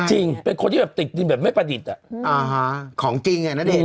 จริงเป็นคนที่ติดดินแบบไม่ระดิด